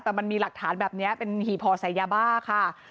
แต่มันมีหลักฐานแบบนี้เป็นหีบพอใส่ยาบ้าค่ะ